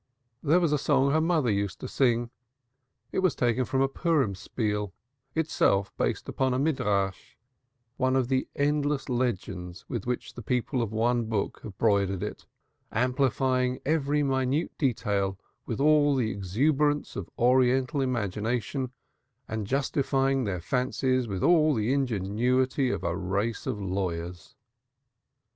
There was a song her mother used to sing. It was taken from a Purim Spiel, itself based upon a Midrash, one of the endless legends with which the People of One Book have broidered it, amplifying every minute detail with all the exuberance of oriental imagination and justifying their fancies with all the ingenuity of a race of lawyers.